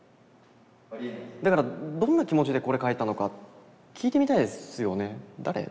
だからどんな気持ちでこれ書いたのか聞いてみたいですよね。